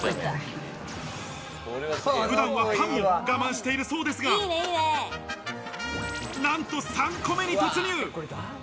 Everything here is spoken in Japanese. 普段はパンを我慢しているそうですが、なんと３個目に突入。